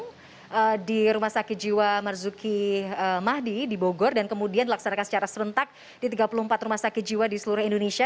di rumah sakit jiwa marzuki mahdi di bogor dan kemudian dilaksanakan secara serentak di tiga puluh empat rumah sakit jiwa di seluruh indonesia